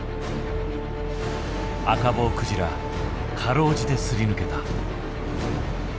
アカボウクジラ辛うじてすり抜けた。